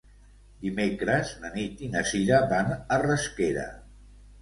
Dimecres na Nit i na Sira van a Rasquera.